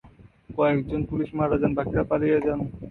কয়েকজন পুলিশ মারা যান, বাকিরা পালিয়ে যান।